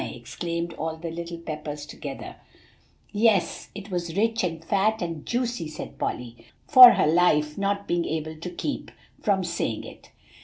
exclaimed all the little Peppers together. "Yes; and it was rich, and fat, and juicy," said Polly, for her life not being able to keep from saying it.